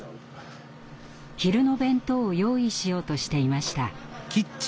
昼の弁当を用意しようとしていました。